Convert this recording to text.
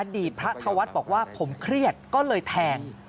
อดีตพระธวัฒน์บอกว่าผมเครียดก็เลยแทง